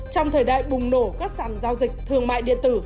trong thời đại bùng nổ các sản giao dịch thương mại điện tử